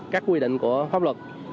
các quy định của pháp luật